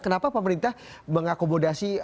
kenapa pemerintah mengakomodasi